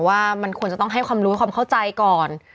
ว่ามันควรจะต้องให้ความรู้ความเข้าใจก่อน